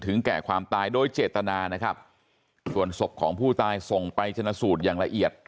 ถึงแก่ความตายโดยเจตนานะครับส่วนศพของผู้ตาย